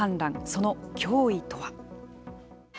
その脅威とは。